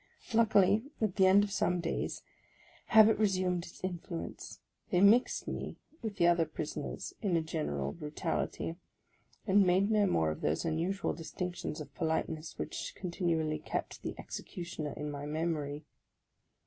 Luckily, at the end of some days, habit resumed its influence; they mixed me with the other prisoners in a general brutality, and made no more of those unusual distinctions of politeness which continually kept the executioner in my memory.